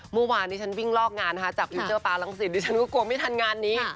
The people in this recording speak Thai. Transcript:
เมื่อวานนี้ฉันวิ่งลอกงานนะคะจากวิวเจอร์ปลารังสิตดิฉันก็กลัวไม่ทันงานนี้